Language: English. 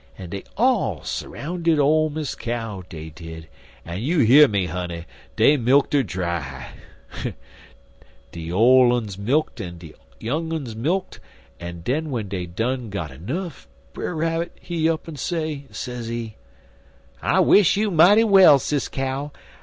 En dey all s'roundid ole Miss Cow, dey did, en you hear me, honey, dey milk't 'er dry. De ole uns milk't en de young uns milk't, en den w'en dey done got nuff, Brer Rabbit, he up'n say, sezee: "'I wish you mighty well, Sis Cow.